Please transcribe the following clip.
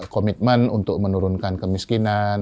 komitmen untuk menurunkan kemiskinan